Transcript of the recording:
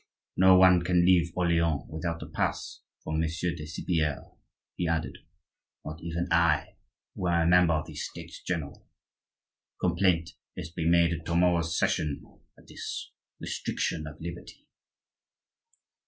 No one can leave Orleans without a pass from Monsieur de Cypierre," he added,—"not even I, who am a member of the States general. Complaint is to be made at to morrow's session of this restriction of liberty."